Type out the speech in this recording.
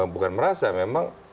bukan merasa memang